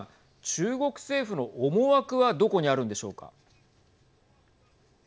中国政府の思惑はどこにあるんでしょうか。